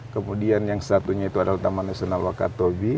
kemudian yang satunya itu adalah taman nasional wakatobi